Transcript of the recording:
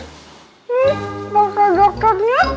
hmm pasal dokternya